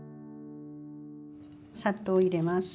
砂糖入れます。